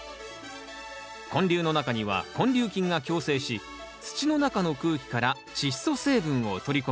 根粒の中には根粒菌が共生し土の中の空気からチッ素成分を取り込み